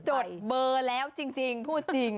จดเบอร์แล้วจริงพูดจริง